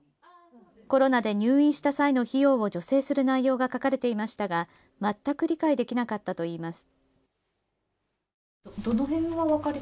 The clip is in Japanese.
コロナで入院した際の費用を助成する内容が書かれていましたが全く理解できなかったといいます。